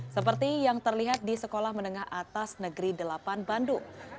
seperti yang terlihat di sekolah menengah atas negeri delapan bandung